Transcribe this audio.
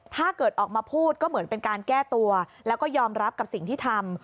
ถ้าเกิดออกมาพูดก็เหมือนเป็นการแก้ตัวแล้วก็ยอมรับกับสิ่งที่ทำ